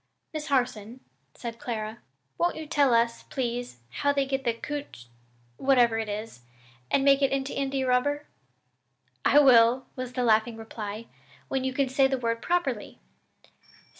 "Miss Harson," said Clara, "won't you tell us, please, how they get the caoutch whatever it is and make it into India rubber?" "I will," was the laughing reply, "when you can say the word properly.